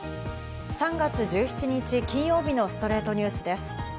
３月１７日、金曜日の『ストレイトニュース』です。